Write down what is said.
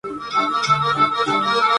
Los bits de parada son "mark".